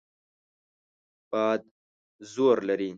باد زور لري.